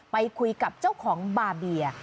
ไปคุยกับเจ้าของบาเบีย